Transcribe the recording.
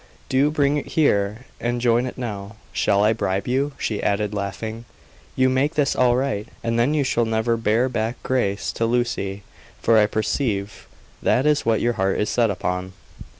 "Do bring it here and join it now. Shall I bribe you?" she added, laughing. "You make this all right, and then you shall bear back grace to Lucy for I perceive that is what your heart is set upon."